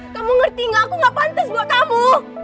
kamu ngerti gak aku gak pantas buat kamu